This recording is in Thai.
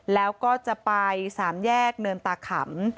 แล้วก็จะไปสามแยกเนินตาขำ